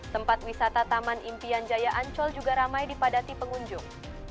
tempat wisata taman impian jaya ancol juga ramai dipadati pengunjung